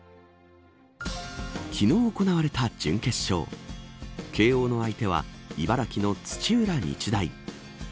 昨日行われた準決勝慶応の相手は茨城の土浦日大。